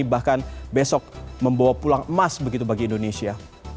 bahkan besok membawa pulang emas begitu bagi indonesia